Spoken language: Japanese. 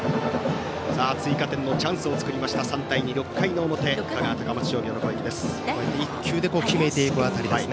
追加点のチャンスを作りました３対２６回の表、香川・高松商業の攻撃です。